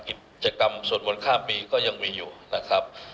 กิจกรรมสวดมนต์ข้ามปีก็ยังมีอยู่นะครับ